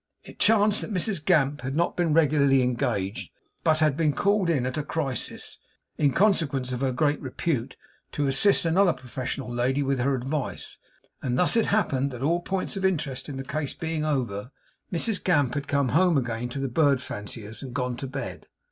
It chanced that Mrs Gamp had not been regularly engaged, but had been called in at a crisis, in consequence of her great repute, to assist another professional lady with her advice; and thus it happened that, all points of interest in the case being over, Mrs Gamp had come home again to the bird fancier's and gone to bed.